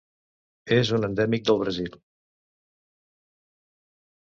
És un endèmic del Brasil.